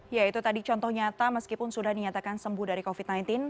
ya itu tadi contoh nyata meskipun sudah dinyatakan sembuh dari covid sembilan belas